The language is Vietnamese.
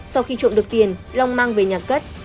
sau khi trộm được tiền long mang về nhà cất